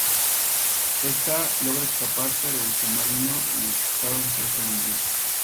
Esta logra escapar pero el submarino en el que estaba empieza a hundirse.